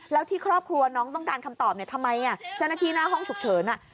แล้วที่ครอบครัวน้องต้องการคำตอบทำไมจนทีหน้าห้องฉุกเฉิน